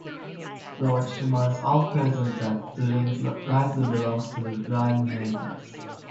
Loge reminds all present that the ring rightly belongs to the Rhine maidens.